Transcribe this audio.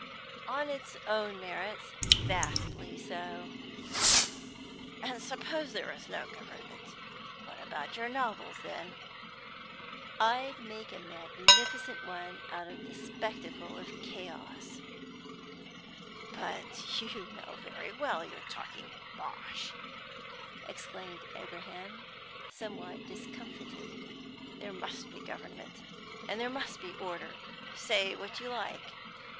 "On its own merits, vastly so." "And suppose there was no government What about your novels then?" "I'd make a magnificent one out of the spectacle of chaos." "But you know very well you're talking bosh," exclaimed Abraham, somewhat discomfited. "There must be government, and there must be order, say what you like.